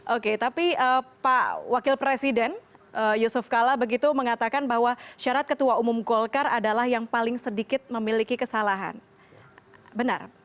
oke tapi pak wakil presiden yusuf kala begitu mengatakan bahwa syarat ketua umum golkar adalah yang paling sedikit memiliki kesalahan benar